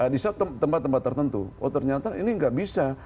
di tempat tempat tertentu oh ternyata ini nggak bisa